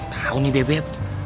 tau nih beb beb